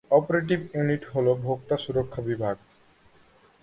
এর operative unit হলো ভোক্তা সুরক্ষা বিভাগ।